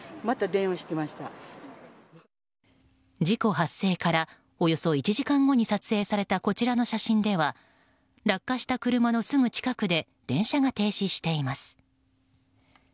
事故発生からおよそ１時間後に撮影されたこちらの写真では落下した車のすぐ近くで電車が停止しています。